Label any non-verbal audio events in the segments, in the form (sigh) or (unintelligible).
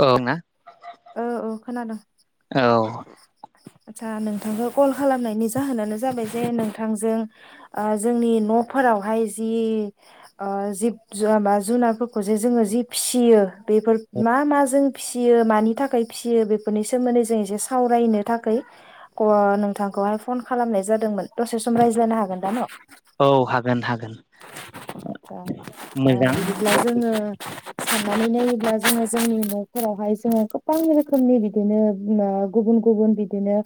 औ ना औ औ खोनादोंं। औ (inaudible) आदसा नोंथांखौ कल खालामनायनि जाहोनानो जाबाय जे नोंथांजों ओ जोंनि न'फोरावहाय जि ओ जिब जु-जुनारफोरखौसे जोङो जि फिसियो बेफोर मा मा जों फिसियो मानि थाखाय फिसियो बेफोरनि सोमोन्दै जों एसे सावरायनो थाखाय (unintelligible) नोंथांखौहाय फन खालामनाय जादोंमोन दसे सम रायज्लायनो हागोन दा न'? औ हागोन हागोन। (unintelligible) ओ मोजां बिदिब्ला जोङो साननानै नायोब्ला जोङो जोंनि न'फोरावहाय जोङो गोबां रोखोमनि बिदिनो बिमा गुबुन गुबुन बिदिनो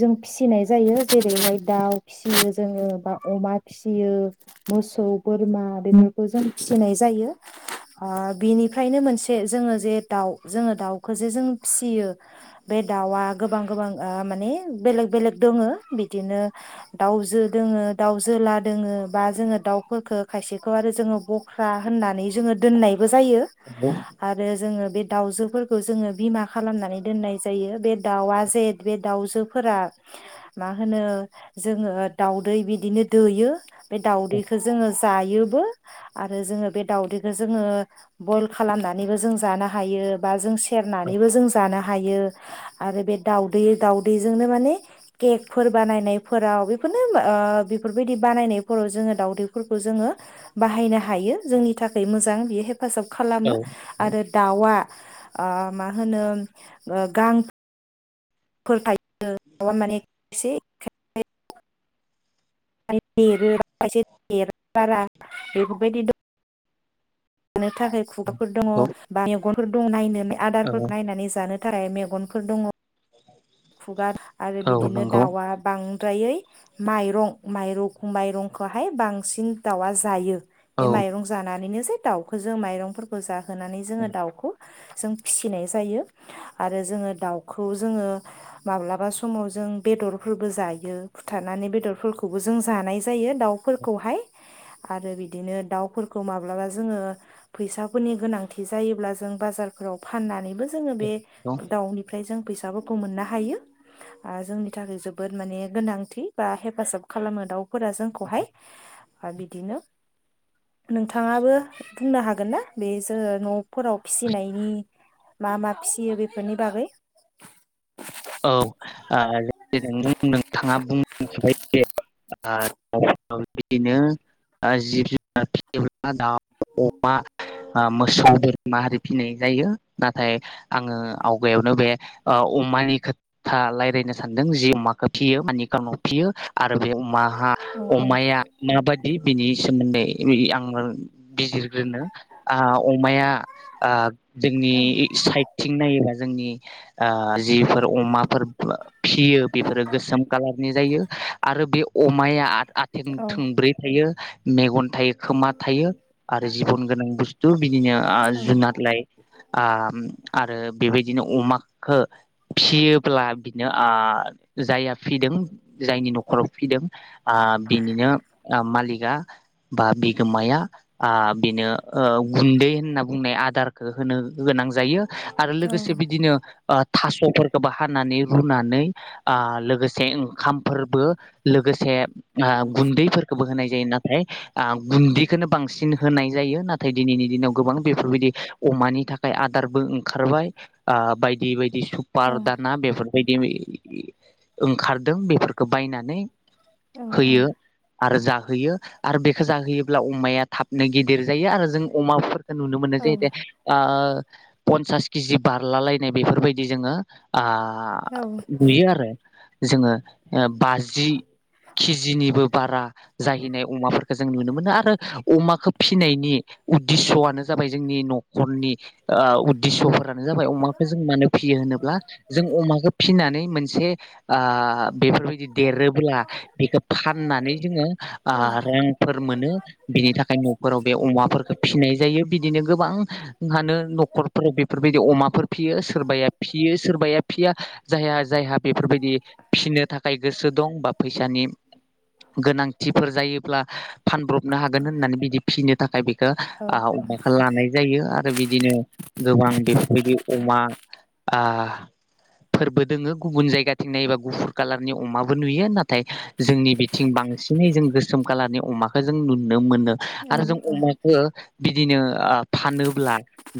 जों फिसिनाय जायो जेरैहाय दाउ फिसियो जोङो बा अमा फिसियो। मोसौ बोरमा बेफोरखौ जों फिसिनाय जायो ओ बिनिफ्रायनो मोनसे जोङो जे दाउ जोङो दाउखौ जे जों फिसियो बे दाउआ गोबां गोबां ओ माने बेलेग बेलेग दङ बिदिनो दाउजो दङो दाउ जोला दङो। बा जोङो दाउफोरखौ खायसेखौ आरो जोङो बख्रा होननानै जोङो दोननाय बो जायो औ आरो जोङो बे दाउजोफोरखौ जोङो बिमा खालामनानै दोननाय जायो बे दाउआ जेथ बे दाउजोफोरा मा होनो जोङो दाउदै बिदिनो दोयो बे दाउदैखौ जोङो जायोबो आरो जोङो बे दावदैखौ जोङो बयेल खालामनानैबो जों जानो हायो बा जों सेरनानैबो जों जानो हायो। हायो आरो बे दावदै दावदैजोंनो माने केगफोर बानायनायफोराव बेफोरनो ओ बेफोरबायदि बानायनाय। (inaudible) जोङो दावदैफोरखौ जोङो बाहायनो हायो जोंनि थाखाय मोजां बि हे हेफाजाब खालामो आरो औ दाउआ ओ मा होनो ओ गां (unintelligible) (inaudible) बारा बेफोरबायदि दं। लानो थाखाय खुगाफोर दङ' औ बा मेगन फोर दङ' नायनो औ आदारफोरखौ नायनानै जानो थाराय मेगनफोर दङ'। खुगार आरो औ बिदिनो नंगौ दाउआ बां द्रायै माइरं माइरं माइरंखौहाय बांसिन दाउआ जायो। औ बे माइरं जानानैनो एसे दाउखौ जों माइरंफोरखौ जाहोनानै जोङो दाउखौ जों फिसिनाय जायो आरो जोङो दाउखौ जोङो माब्लाबा समाव जों बेदरफोरबो जायो फुथारनानै बेदरफोरखौबो जों जानाय जायो दाउफोरखौहाय आरो बिदिनो दाउफोरखौ माब्लाबा जोङो फैसाफोरनि गोनांथि जायोब्ला जों बाजारफोराव फाननानैबो जो जोङो बे दाउनिफ्राय जों फैसा खौ मोननो हायो आ जोंनि थाखाय जोबोद माने गोनांथि बा हेफाजाब खालामो दाउ फोरा जोंखौहाय बिदिनो नोंथाङाबो बुंनो हागोन ना बे जोङो न'फोराव फिसिनायनि मा मा फिसियो बेफोरनि बागै? औ (unintelligible) बेदिनो आ जिब जुनार (unintelligible) (unintelligible) मोसौ बोरमा आरि फिनाय जायो, नाथाय आङो आवगायावनो बे अमानि खोथा रायलायनो सानदों जि अमाखौ फियो मानिे कारनाव फियो आरो बे अमा मा औ औ अमाया माबायदि बिनि सोमोन्दै (unintelligible) बिजिर नो आं अमाया आ जोंनि औ साइदथिं नायोबा जोंनि आ जिफोर अमाफोर फियो बेफोरो गोसोम कालारनि जायो आरो बे अमाया आथिं औ थोंब्रै थायो। मेगन थायो खोमा थायो आरो जिबन गोनां बुस्थु बिदिनो ओ औ जुनार लाय ओ ओम आरो बेबायदिनो अमाखो फिसियोब्ला बिनो आ जायहा फिदों जायनि न'खराव फिदों आं बिनिनो मालिकआ बा बिगोमाया आ बेनो ओ गुन्दै होनना बुंनाय आदारखौ होनो गोनां जायो। आरो औ लोगोसे बिदिनो ओ थास' फोरखोबो हानानै रुनानै आं लोगोसे ओंखामफोरबो लोगोसे आ गुन्दैफोरखौबो होनाय जायो। नाथाय आं गुन्दिखोनो बांसिन होनाय जायो नाथाय नाथाय दिनैनि दिनाव गोबां बेफोरबायदि अमानि थाखाय आदारबो ओंखारबाय आं बायदि बायदि सु औ पार दाना बेफोरबायदि ओंखारदों बे फोरखो बायनानै औ होयो आरो जा होयो आरो बेखौ जाहोयोब्ला अमाया थाबनो गिदिर जायो आरो जों अमाफोर नुनो मोनो जायोदे पन्सास किजि बारला लायनाय बेफोरबायदि जोङो आ आ आ बुयो आरो जोङो ओ बाजि कि जि निबो बारा जाहैनाय अमाफोर जों नुनो मोनो आरो अमाखौ खो फिनायनि उद्दिस्स'नो जाबाय जोंनि न'खरनि ओ उद्दिस्स'फोरानो जाबाय अमाखौ जों मानो फियो होनोब्ला जों अमाखौ फिनानै मोनसे आं बेफोरबायदि देरोब्ला बेखौ फाननानै जोङो आ रांफोर मोनो बिनि थाखाय न'फोराव बे अमाफोरखौ फिसिनाय जायो बिदिनो गोबां हानो न'खरफोराव बेफोरबायदि अमाफोर फियो सोरबाया फियो सोरबाया फिया जायहा जायहा बेफोरबायदि फिसिनो थाखाय गोसो दं बा फैसानि गोनांथिफोर जायोब्ला फानब्रबनो हागोन होननानै बिदि फिनो थाखाय ओ आ अमाखौ लानाय जायो आरो आरो बिदिनो गोबां बेफोरबायदि अमा आ फोरबो दोङो गुबुन जायगाथिं नायोबा गुफुर कालारनि अमाबो नुयो नाथाय जोंनि बिथिं बांसिनै जों गोसोम कालारनि अमाखो जों नु नुनो मोनो आरो जों अमाखो बिदिनो आं फानोब्ला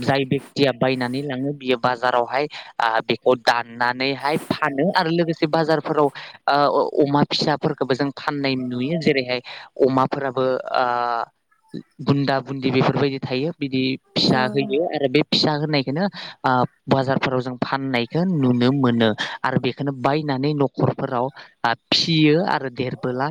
जाय ब दिया बायनानै लाङो बियो बाजार बाजारावहाय आ बेखौ दाननानैहाय फानो आरो लोगोसे बाजारफोराव ओ अमा फिसाफोरखौबो जों फाननाय नुयो जेरैहाय अमाफोराबो ओ बुन्दा बुन्दि बेफोरबायदि थायो बिदि फिसा होयो आरो बे फिसा नायखनो ओ बाजारफोराव जों फाननायखो नुनो मोनो आरो बेखोनो बायनानै न'खरफोराव ओ फिसियो आ आरो देरबोला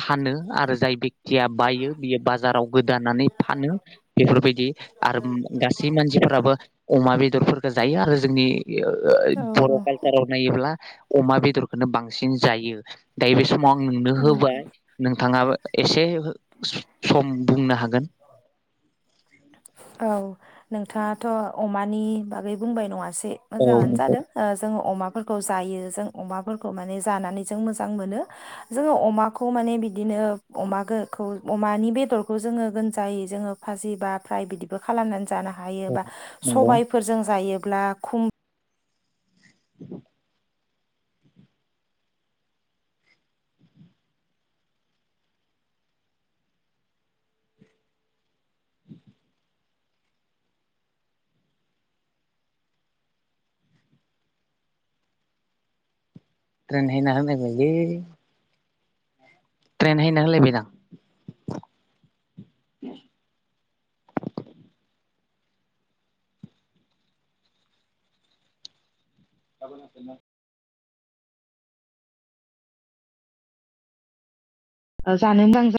फानो आरो जाय बे दिया बायो बियो बाजाराव गोदानानै फानो बेफोरबायदि आरो गासै मानसिफोराबो अमा बेदरफोरखो जायो आरो जोंनि ओ ओ औ बर' कालसाराव नायोब्ल ब्ला अमा बेदरखौनो बांसिन जायो। दायो बे समाव आं नोंनो औ होबाय नोंथाङाबो एसे हो सम बुंनो हाग (inaudible) औ। नोंथाङाथ' अमानि बागै बुंबाय नङास सै। औ मोजाङानो नंगौ जादों ओ जों अमाखौ फोरखौ जायो जों अमाफोरखौ माने जानानै जों मोजां मोनो जोङो अमाखौ माने बिदिनो अमाखौ अमानि बेदरखौ जोङो गोन जायो जोङो फाजि बा फ्राय बिदिबो खालामनानै जानो औ हायोबा नंगौ सबायफोरजों जायो। अब्ला खुम (unintelligible) ट्रेन हैना होलाबायना। (inaudible) उम उम। जानो मोजां ज